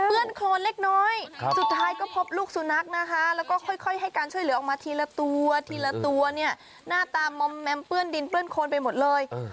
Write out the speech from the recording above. โครนเล็กน้อยสุดท้ายก็พบลูกสุนัขนะคะแล้วก็ค่อยให้การช่วยเหลือออกมาทีละตัวทีละตัวเนี่ยหน้าตามอมแมมเปื้อนดินเปื้อนโคนไปหมดเลย